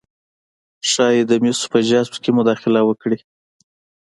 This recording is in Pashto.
ښايي د مسو په جذب کې مداخله وکړي